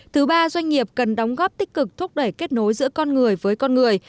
thứ ba doanh nghiệp cần đóng góp tích cực thúc đẩy kết nối giữa con người với con người